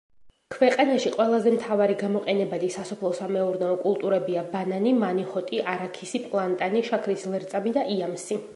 ქვეყანაში ყველაზე მთავარი გამოყენებადი სასოფლო-სამეურნეო კულტურებია ბანანი, მანიჰოტი, არაქისი, პლანტანი, შაქრის ლერწამი და იამსი.